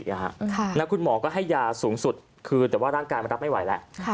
แล้วคุณหมอก็ให้ยาสูงสุดคือแต่ว่าร่างกายมันรับไม่ไหวแล้ว